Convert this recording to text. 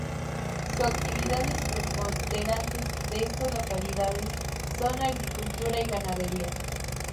Su actividades preponderantes de estas localidades son la agricultura y ganadería.